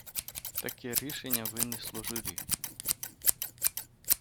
Таке рішення винесло журі.